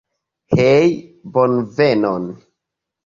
Hej, bonvenon.